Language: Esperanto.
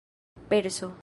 perso